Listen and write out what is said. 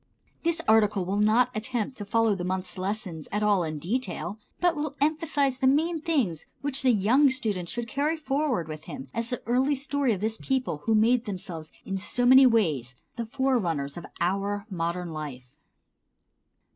This article will not attempt to follow the month's lessons at all in detail, but will emphasize the main things which the young student should carry forward with him as the early story of this people who made themselves in so many ways the forerunners of our modern life.